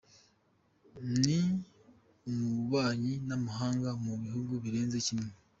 Ni ububanyi n’amahanga mu bihugu birenze kimwe.